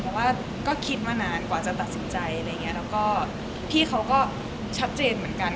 เพราะว่าก็คิดมานานกว่าจะตัดสินใจพี่เขาก็ชัดเจนเหมือนกัน